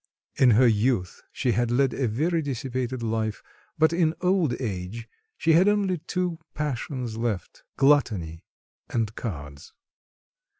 In her youth she had led a very dissipated life, but in old age she had only two passions left gluttony and cards.